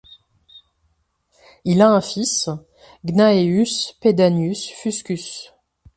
Il a un fils, Gnaeus Pedanius Fuscus.